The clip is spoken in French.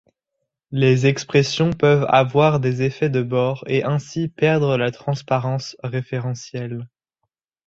Les expressions peuvent avoir des effets de bords et ainsi perdre la transparence référentielle.